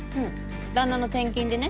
旦那の転勤でね。